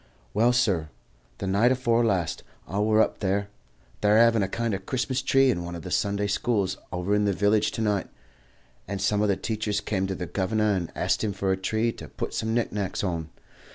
"Well, sur, the night afore last I wur up there. They are hevin' a kind of Christmas tree in one of the Sunday schools over in the willage to night, and some o' the teachers came to the guv'nor and asked him for a tree to put some knick knacks on.